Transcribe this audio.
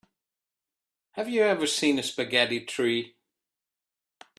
Have you ever seen a spaghetti tree?